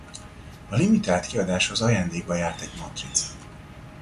A limitált kiadáshoz ajándékba járt egy matrica.